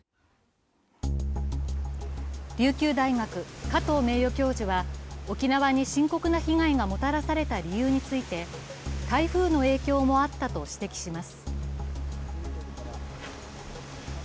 琉球大学・加藤名誉教授は沖縄に深刻な被害がもたらされた理由について、台風の影響もあったと指摘します。